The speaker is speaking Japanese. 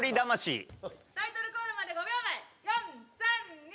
タイトルコールまで５秒前４３２。